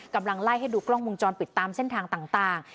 กำลังไล่ให้ดูกล้องวงจรปิดตามเส้นทางต่าง